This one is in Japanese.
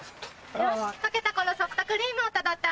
よし溶けたこのソフトクリームをたどって。